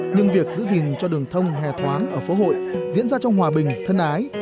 nhưng việc giữ gìn cho đường thông hề thoáng ở phố hội diễn ra trong hòa bình thân ái